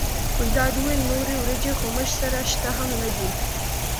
ګلداد وویل نورې وریجې خو موږ سره شته هم نه دي.